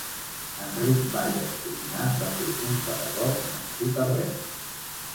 Enric Bages Codinach va ser un pedagog nascut a Reus.